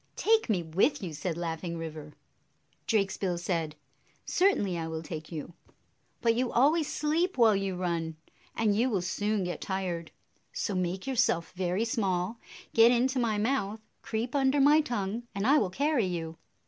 9 1 "Take me with you!" said Laughing River. Drakesbill said, "Certainly I will take you; but you always sleep while you run, and you will soon get tired. So make yourself very small, get into my mouth, creep under my tongue, and I will carry you."